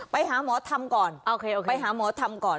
ไปหาหมอทำก่อนไปหาหมอทำก่อน